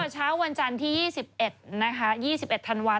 เช้าวันจันทร์ที่๒๑๒๑ธันวาค